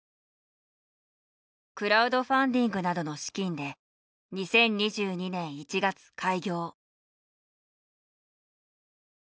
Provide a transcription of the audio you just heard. クラウドファンディングなどの資金で２０２２年１月開業。